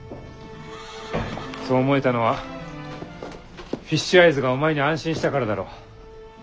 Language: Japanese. そう思えたのはフィッシュアイズがお前に安心したからだろう。